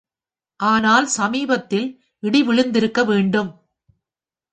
ஆனால் சமீபத்தில் இடி விழுந்திருக்க வேண்டும்.